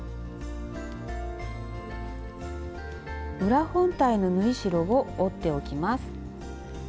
裏本体の縫い代を折っておきます。